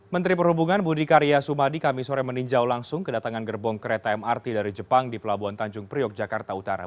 menteri perhubungan budi karya sumadi kami sore meninjau langsung kedatangan gerbong kereta mrt dari jepang di pelabuhan tanjung priok jakarta utara